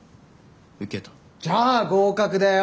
じゃあ合格だよ。